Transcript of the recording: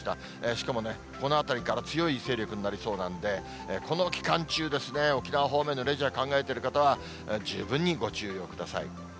しかもこのあたりから強い勢力になりそうなんで、この期間中ですね、沖縄方面のレジャー考えてる方は、十分にご注意をください。